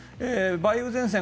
梅雨前線